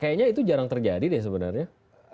kayaknya itu jarang terjadi deh sebenarnya